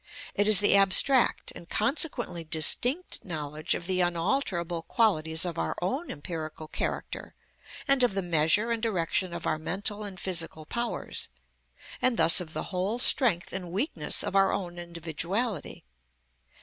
It is the abstract, and consequently distinct, knowledge of the unalterable qualities of our own empirical character, and of the measure and direction of our mental and physical powers, and thus of the whole strength and weakness of our own individuality.